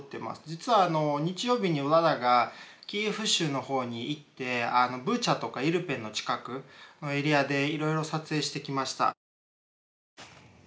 実は日曜日にヴラダがキーフ州の方に行ってブチャとかイルペンの近くのエリアでいろいろ撮影してきました。